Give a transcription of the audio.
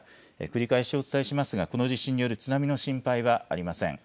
繰り返しお伝えしますがこの地震による津波の心配はありません。